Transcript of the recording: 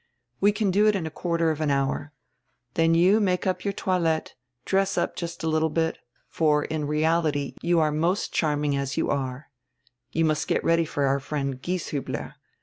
We can do it in a quarter of an hour. Then you nrake your toilette, dress up just a littie bit, for in reality you are nrost charming as you are now. You nrust get ready for our friend Gieshiibler.